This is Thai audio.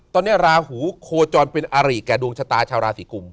ตอนนี้ราหูโคจรเป็นอาริแก่ดวงชะตาชาวราศีกุม